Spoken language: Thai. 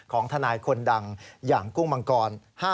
ของทนายคนดังอย่างกุ้งมังกร